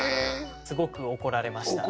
すごく怒られました。